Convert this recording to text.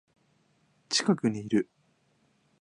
近くにいる